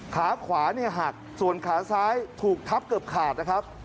ขาขวาเนี่ยหักส่วนขาซ้ายถูกทับเกือบขาดนะครับ